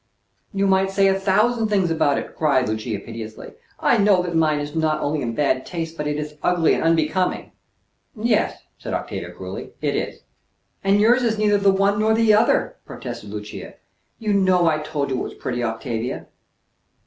"You might say a thousand things about it!" cried Lucia piteously. "I know that mine is not only in bad taste, but it is ugly and unbecoming." "Yes," said Octavia cruelly, "it is." "And yours is neither the one nor the other," protested Lucia. "You know I told you it was pretty, Octavia."